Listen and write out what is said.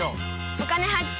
「お金発見」。